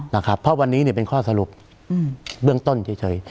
นะครับเพราะวันนี้เป็นข้อสรุปเบื้องต้นเฉย